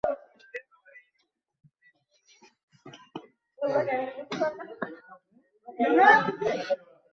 এবার গুঁড়া দুধের খামির থেকে পছন্দমতো আকৃতির রসমালাই তৈরি করে নিন।